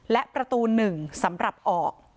และประตู๑สำหรับออก